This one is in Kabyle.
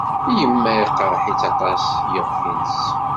Yemma iqerreḥ-itt aṭas yiɣef-nnes.